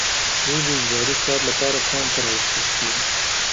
دوی د اجباري کار لپاره کان ته راوستل شوي وو